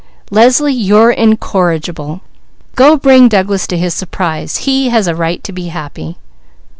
"Leslie, you're incorrigible! Go bring Douglas to his surprise. He has a right to be happy."